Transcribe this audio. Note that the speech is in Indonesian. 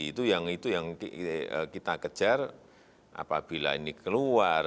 itu yang kita kejar apabila ini keluar